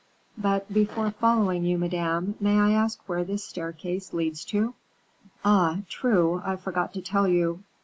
"But before following you, madame, may I ask where this staircase leads to?" "Ah, true; I forgot to tell you.